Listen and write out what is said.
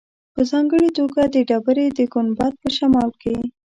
په ځانګړې توګه د ډبرې د ګنبد په شمال کې.